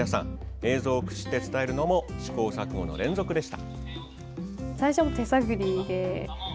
映像を駆使して伝えるのも試行錯誤の連続でした。